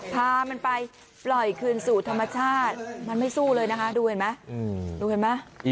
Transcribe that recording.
พามันไปปล่อยคืนสู่ธรรมชาติมันไม่สู้เลยนะคะดูเห็นไหมดูเห็นไหม